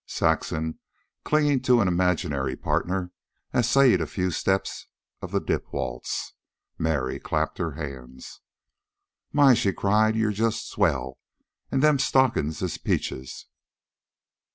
Saxon, clinging to an imaginary partner, essayed a few steps of the dip waltz. Mary clapped her hands. "My!" she cried. "You're just swell! An' them stockin's is peaches."